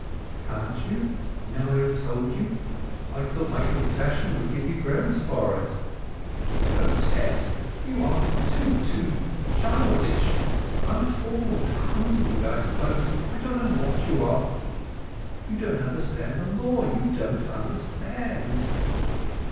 "Can't you—now I have told you? I thought my confession would give you grounds for that." "O Tess—you are too, too—childish—unformed—crude, I suppose! I don't know what you are. You don't understand the law—you don't understand!"